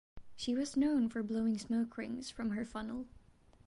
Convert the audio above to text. She was known for blowing smoke rings from her funnel.